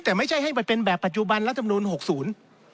แต่ไม่ใช่ให้เป็นแบบปัจจุบันรัฐบาล๖๐